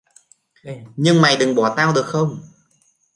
Nhưng mày đừng bỏ tao được không